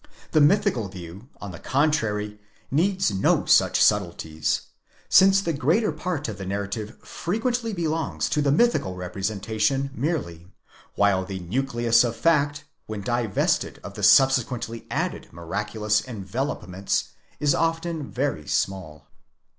The mythical view, on the contrary, needs no such subtleties; since the greater part of a nar rative frequently belongs to the mythical representation merely, while the nucleus of fact, when divested of the subsequently added miraculous enve lopments, is often very small.